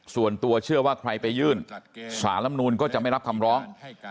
ส่วนตัวเชื่อว่าใครไปยื่นสารลำนูนก็จะไม่รับคำร้อง